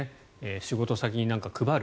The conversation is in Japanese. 仕事先に配る。